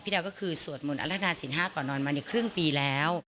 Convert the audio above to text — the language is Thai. พี่ดาวก็คือสวดมนตร์อารทนาศิล๕ก่อนนอนมาอยู่ครึ่งปีแล้ว